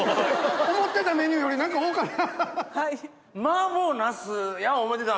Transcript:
思ってたメニューより何か多かった。